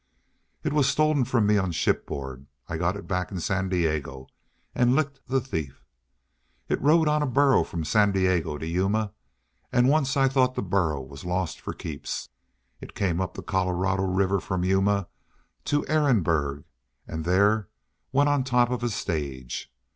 It was stolen from me on shipboard. I got it back in San Diego an' licked the thief. It rode on a burro from San Diego to Yuma an' once I thought the burro was lost for keeps. It came up the Colorado River from Yuma to Ehrenberg an' there went on top of a stage.